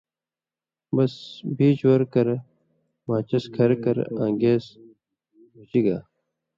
بس پیچ ور کرہ، ماچس کھر کرہ آں گیس گُژی گا